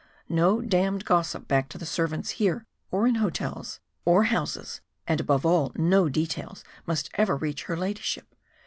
No d d gossip back to the servants here, or in hotels, or houses and, above all, no details must ever reach her Ladyship.